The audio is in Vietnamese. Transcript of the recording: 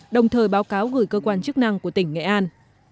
đồng thời báo cáo gửi cơ quan chức năng của tỉnh nghệ an